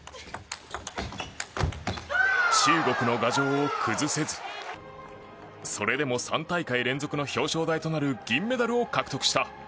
中国の牙城を崩せずそれでも３大会連続の表彰台となる銀メダルを獲得した。